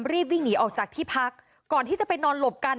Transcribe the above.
และก็จับกลุ่มฮามาสอีก๒๖คน